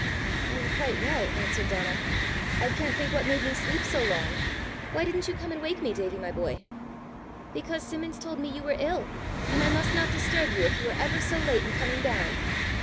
"I am quite well," answered Donal. "I can't think what made me sleep so long. Why didn't you come and wake me, Davie, my boy?" "Because Simmons told me you were ill, and I must not disturb you if you were ever so late in coming down."